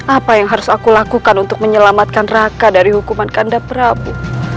apa yang harus aku lakukan untuk menyelamatkan raka dari hukuman kanda prabu